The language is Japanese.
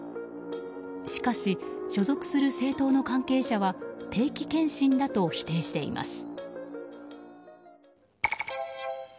しかし所属する政党の関係者は定期健診だと否定しています。